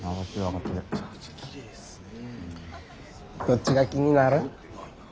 どっちが気になる？